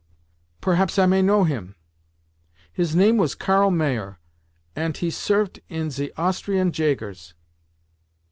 Perhaps I may know him.' 'His name was Karl Mayer, ant he servet in ze Austrian Jägers.